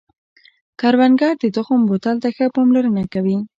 کروندګر د تخم بوتل ته ښه پاملرنه کوي